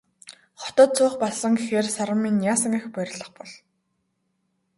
Хотод суух болсон гэхээр Саран маань яасан их баярлах бол.